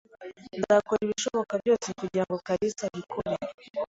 Nzakora ibishoboka byose kugirango kalisa abikore.